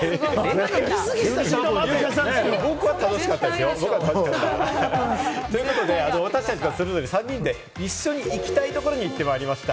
僕は楽しかったですよ。ということで、私達それぞれ３人で行きたいところに行ってまいりました。